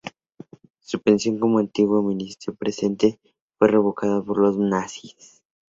Su pensión como antiguo Ministro-Presidente fue revocada por los nazis.